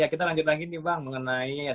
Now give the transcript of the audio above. kita lanjut lagi nih bang mengenai